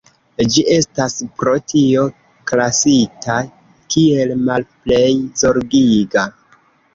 Ĝi estas pro tio klasita kiel "Malplej Zorgiga".